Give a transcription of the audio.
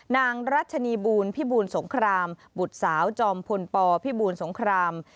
นางรัชนีบูลพิบูลสงครามบุตรสาวจอมพลปพิบูลสงคราม